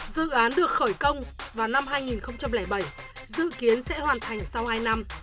dự án được khởi công vào năm hai nghìn bảy dự kiến sẽ hoàn thành sau hai năm